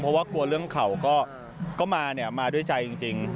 เพราะว่ากลัวเรื่องเข่าก็มาเนี่ยมาด้วยใจจริง